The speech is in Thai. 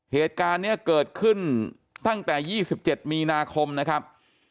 เหตุการณ์เนี้ยเกิดขึ้นตั้งแต่ยี่สิบเจ็ดมีนาคมนะครับ